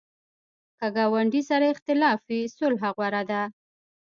که ګاونډي سره اختلاف وي، صلح غوره ده